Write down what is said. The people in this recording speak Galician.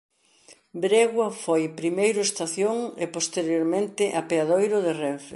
Bregua foi primeiro estación e posteriormente apeadoiro de Renfe.